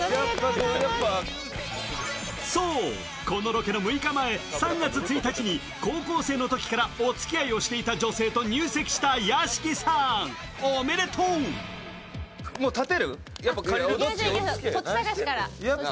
このロケの６日前、３月１日に高校生のときからおつきあいをしていた女性と入籍した屋敷さん、おめでとう！